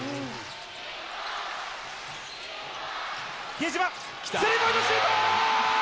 比江島、スリーポイントシュート！